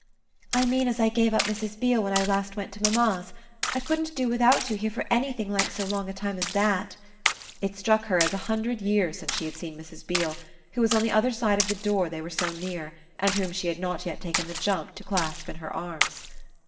"I mean as I gave up Mrs. Beale when I last went to mamma's. I couldn't do without you here for anything like so long a time as that." It struck her as a hundred years since she had seen Mrs. Beale, who was on the other side of the door they were so near and whom she yet had not taken the jump to clasp in her arms.